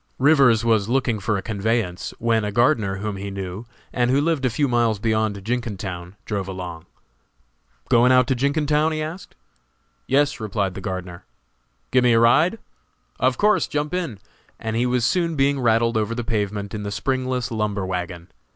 Rivers was looking around for a conveyance, when a gardener whom he knew, and who lived a few miles beyond Jenkintown, drove along. "Going out to Jenkintown?" he asked. "Yes," replied the gardener. "Give me a ride?" "Of course; jump in." And he was soon being rattled over the pavement in the springless lumber wagon.